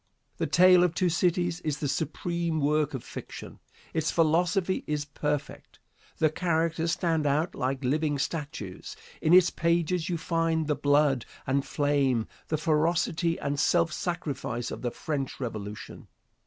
"The Tale of Two Cities" is the supreme work of fiction. Its philosophy is perfect. The characters stand out like living statues. In its pages you find the blood and flame, the ferocity and self sacrifice of the French Revolution.